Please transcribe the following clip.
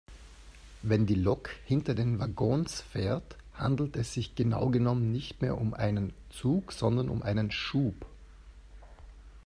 Wenn die Lok hinter den Waggons fährt, handelt es sich genau genommen nicht mehr um einen Zug sondern um einen Schub.